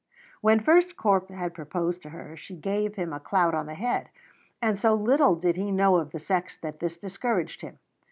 When first Corp had proposed to her, she gave him a clout on the head; and so little did he know of the sex that this discouraged him.